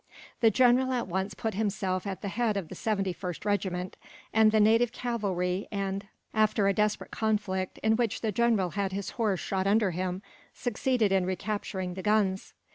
The general at once put himself at the head of the 71st Regiment and the native cavalry and, after a desperate conflict, in which the general had his horse shot under him, succeeded in recapturing the guns.